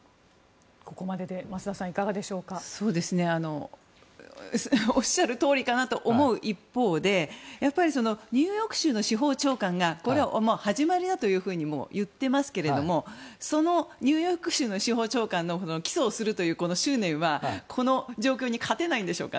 ここまでで増田さんいかがでしょう？おっしゃるとおりかなと思う一方でやっぱりニューヨーク州の司法長官がこれは始まりだともう言っていますけどそのニューヨーク州の司法長官が基礎をするという執念はこの状況に勝てないんでしょうか。